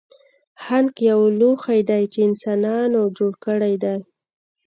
ښانک یو لوښی دی چې انسانانو جوړ کړی دی